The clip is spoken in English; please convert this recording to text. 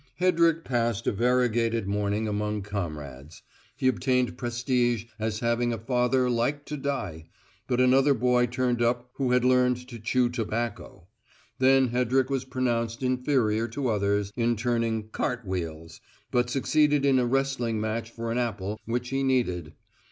Hedrick passed a variegated morning among comrades. He obtained prestige as having a father like to die, but another boy turned up who had learned to chew tobacco. Then Hedrick was pronounced inferior to others in turning "cartwheels," but succeeded in a wrestling match for an apple, which he needed.